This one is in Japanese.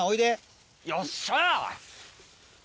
よっしゃ！